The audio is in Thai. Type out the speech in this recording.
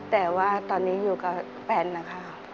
แต่ว่าตอนนี้อยู่กับแฟนนะคะ